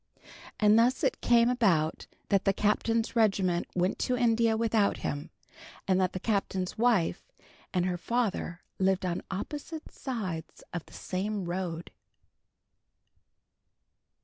And thus it came about that the Captain's regiment went to India without him, and that the Captain's wife and her father lived on opposite sides of the same road.